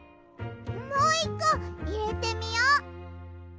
もう１こいれてみよう。